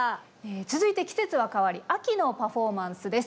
続いて季節は変わり秋のパフォーマンスです。